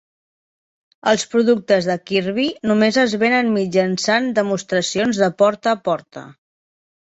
Els productes de Kirby només es venen mitjançant demostracions de porta a porta.